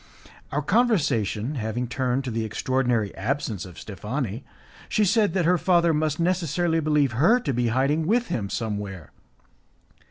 Our conversation having turned to the extraordinary absence of Steffani, she said that her father must necessarily believe her to be hiding with him somewhere.